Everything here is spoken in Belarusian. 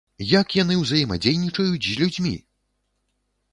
Як яны ўзаемадзейнічаюць з людзьмі!